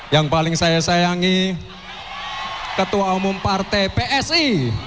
yang paling saya sayangi ketua umum partai psi